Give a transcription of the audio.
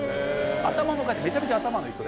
頭の回転めちゃめちゃ頭のいい人で。